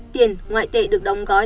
tiền ngoại tệ được đóng gói